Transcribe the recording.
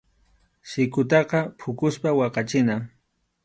Sikutaqa phukuspa waqachina.